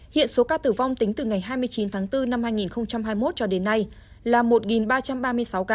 hiện số ca tử vong tính từ ngày hai mươi chín tháng bốn năm hai nghìn hai mươi một cho đến nay là một ba trăm ba mươi sáu ca